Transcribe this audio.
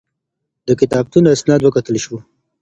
د کتابتون اسناد وکتل شول.